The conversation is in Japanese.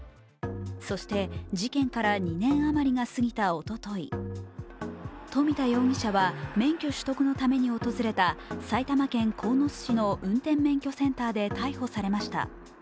そして事件から２年余りが過ぎたおととい、富田容疑者は免許取得のため訪れた埼玉県鴻巣市の運転免許センターで逮捕されました。